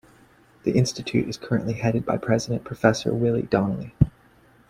The institute is currently headed by President Professor Willie Donnelly.